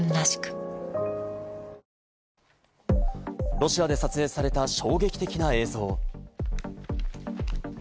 ロシアで撮影された衝撃的な映像。